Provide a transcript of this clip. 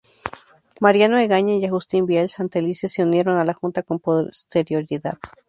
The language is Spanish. Mariano Egaña y Agustín Vial Santelices se unieron a la junta con posterioridad.